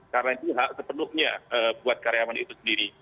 karena itu hak sepenuhnya buat karyawan itu sendiri